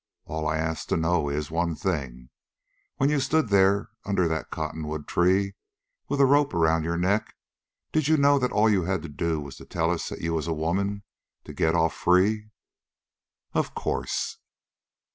All I ask to know is one thing: When you stood there under that cotton wood tree, with a rope around your neck, did you know that all you had to do was to tell us that you was a woman to get off free?" "Of course."